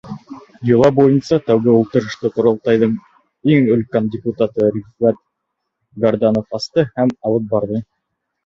Йола буйынса тәүге ултырышты Ҡоролтайҙың иң өлкән депутаты Рифғәт Гарданов асты һәм алып барҙы.